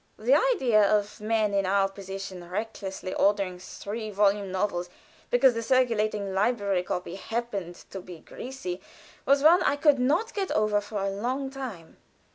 The idea of men in our position recklessly ordering three volume novels because the circulating library copy happened to be greasy, was one I could not get over for a long time.